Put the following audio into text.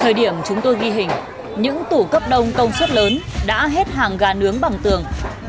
thời điểm chúng tôi ghi hình những tủ cấp đông công suất lớn đã hết hàng gà nướng bằng tường